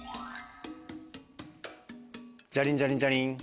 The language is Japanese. ジャリンジャリンジャリン。